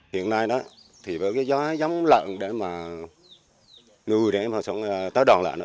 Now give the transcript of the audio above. hiện nay với gió giống lợn để mà nuôi để mà tái đòn lợn